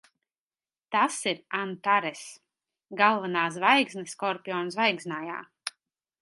Tas ir Antaress. Galvenā zvaigzne Skorpiona zvaigznājā.